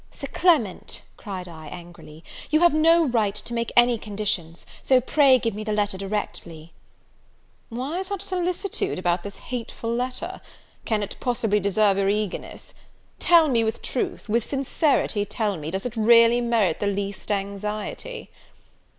"Sir Clement," cried I, angrily, "you have no right to make any conditions, so pray give me the letter directly." "Why such solicitude about this hateful letter? can it possibly deserve your eagerness? tell me, with truth, with sincerity tell me, does it really merit the least anxiety?"